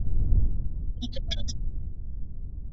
自由和团结是斯洛伐克中间偏右古典自由主义政党。